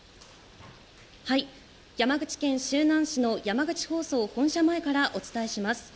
山口県周南市の山口放送本社前からお伝えします。